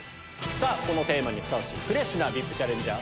このテーマにふさわしいフレッシュなＶＩＰチャレンジャー